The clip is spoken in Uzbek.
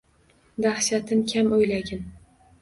Dahshatin kam o’ylagin.